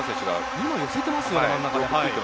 ２枚寄せていますよね。